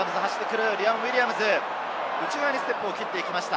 内側にステップを切っていきました。